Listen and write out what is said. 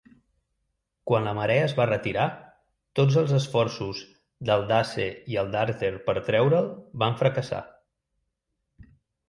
Quan la marea es va retirar, tots els esforços del Dace i el Darter per treure'l van fracassar.